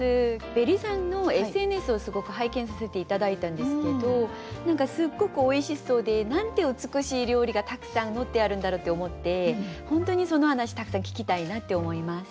ベリさんのＳＮＳをすごく拝見させて頂いたんですけど何かすっごくおいしそうでなんて美しい料理がたくさん載ってあるんだろうって思って本当にその話たくさん聞きたいなって思います。